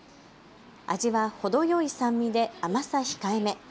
味は程よい酸味で甘さ控えめ。